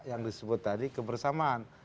yang disebut tadi kebersamaan